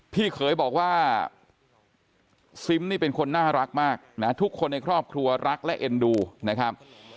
พี่เขยบอกว่าซิมนี่เป็นคนน่ารักมากนะทุกคนในครอบครัวรักและเอ็นดูนะครับ